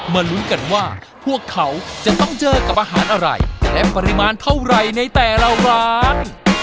ลุ้นกันว่าพวกเขาจะต้องเจอกับอาหารอะไรและปริมาณเท่าไหร่ในแต่ละร้าน